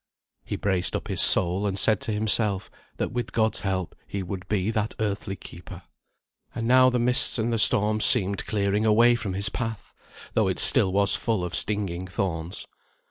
He braced up his soul, and said to himself, that with God's help he would be that earthly keeper. And now the mists and the storms seemed clearing away from his path, though it still was full of stinging thorns.